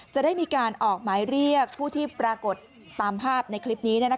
จะได้มีการออกหมายเรียกผู้ที่ปรากฏตามภาพในคลิปนี้